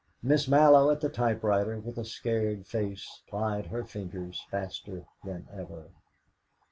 Miss Mallow at the typewriter, with a scared face, plied her fingers faster than ever.